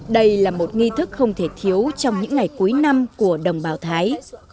đây là một nghi thức không thể thiếu trong những ngày cuối năm của đồng bào thái